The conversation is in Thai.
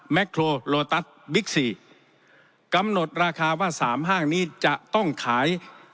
โครโลตัสบิ๊กซีกำหนดราคาว่าสามห้างนี้จะต้องขาย